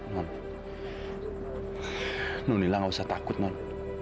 non non lila gak usah takut non